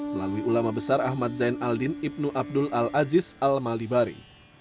melalui ulama besar ahmad zain al din ibnu abdul al aziz al malibari